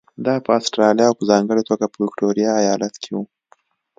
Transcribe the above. دا په اسټرالیا او په ځانګړې توګه په ویکټوریا ایالت کې وو.